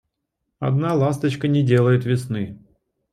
Одна ласточка не делает весны.